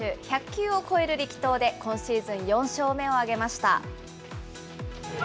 １００球を超える力投で、今シーズン４勝目を挙げました。